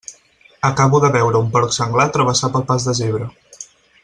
Acabo de veure un porc senglar travessar pel pas de zebra.